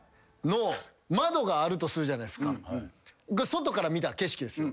外から見た景色ですよ。